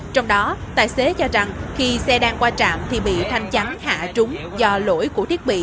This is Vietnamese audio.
trong đó tài xế cho rằng khi xe đang qua trạm thì bị thanh chắn hạ trúng do lỗi của thiết bị